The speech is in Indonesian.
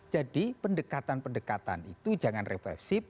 jadi pendekatan pendekatan itu jangan refleksif